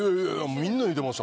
みんな言うてました